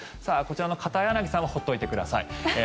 片柳さんは放っておいてください。